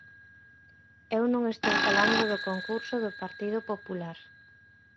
Eu non estou falando do concurso do Partido Popular.